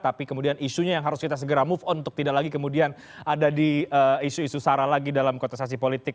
tapi kemudian isunya yang harus kita segera move on untuk tidak lagi kemudian ada di isu isu sara lagi dalam kontestasi politik